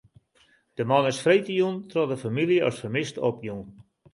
De man is freedtejûn troch de famylje as fermist opjûn.